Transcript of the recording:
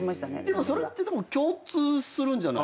でもそれって共通するんじゃないですか？